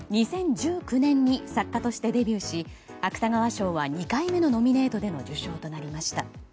２０１９年に作家としてデビューし芥川賞は２回目のノミネートでの受賞となりました。